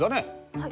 はい。